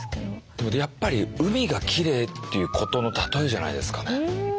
でもやっぱり海がきれいっていうことの例えじゃないですかね。